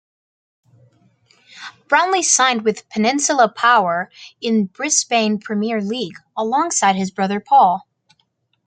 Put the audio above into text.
Brownlie signed with Peninsula Power in the Brisbane Premier League alongside his brother Paul.